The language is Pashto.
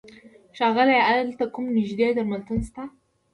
ښاغيله! ايا دلته کوم نيږدې درملتون شته؟